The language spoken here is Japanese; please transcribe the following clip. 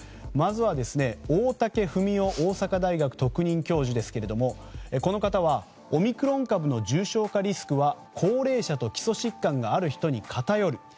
まずは大竹文雄大阪大学特任教授ですがこの方はオミクロン株の重症化リスクは高齢者と基礎疾患がある人に偏る。